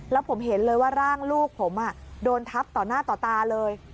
แล้วผมเห็นเลยว่าร่างลูกผมโดนทับต่อหน้าต่อตาเลย